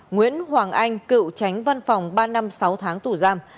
nguyễn hoàng anh cựu tránh văn phòng ba năm sáu tháng tù giam